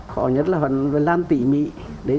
khó nhất là phải làm tỉ mỉ để